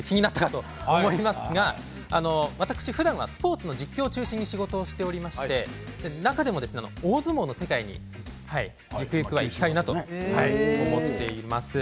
私ふだんはスポーツの実況を中心に仕事をしておりますて中でも、大相撲の世界にゆくゆくはいきたいなと思っています。